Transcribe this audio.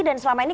dan selama ini